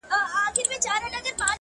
په مسجد او په مندر کي را ايثار دی’